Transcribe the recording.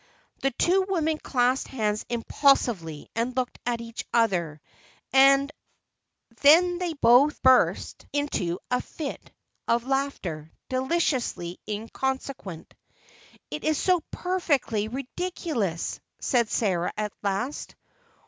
The two women clasped hands impulsively and looked at each other; then they both burst into a fit of laughter, deliciously inconsequent. "It is so perfectly ridiculous!" said Sarah at last.